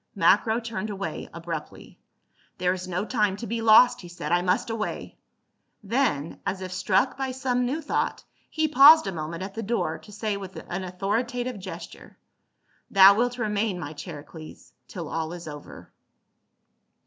Macro turned away abruptly. " There is no time to be lost," he said, " I must away." Then as if struck by some new thought he paused a moment at the door, to say with an authoritative gesture, " Thou wilt remain, my Charicles, till all is over."